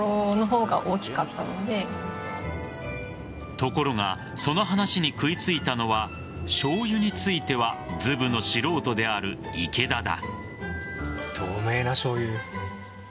ところがその話に食いついたのはしょうゆについてはずぶの素人である池田だ。